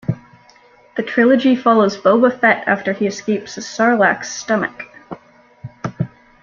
The trilogy follows Boba Fett after he escapes the sarlacc's stomach.